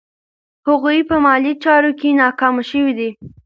هغوی په مالي چارو کې ناکام شوي دي.